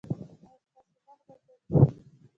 ایا ستاسو مخ به ځلیږي؟